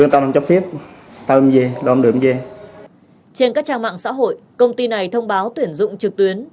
trên các trang mạng xã hội công ty này thông báo tuyển dụng trực tuyến